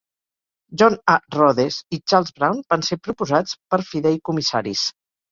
John A. Rhodes i Charles Brown van ser proposats per fideïcomissaris.